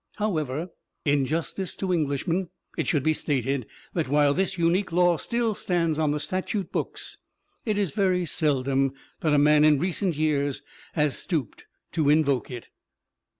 However, in justice to Englishmen, it should be stated that while this unique law still stands on the statute books, it is very seldom that a man in recent years has stooped to invoke it.